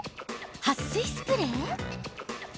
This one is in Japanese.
はっ水スプレー？